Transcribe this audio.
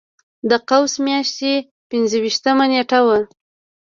د قوس میاشتې پنځه ویشتمه نېټه وه.